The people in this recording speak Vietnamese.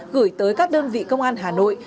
gửi tới các đơn vị công an hà nội